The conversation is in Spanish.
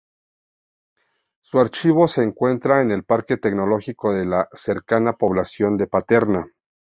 Su archivo se encuentra en el parque tecnológico de la cercana población de Paterna.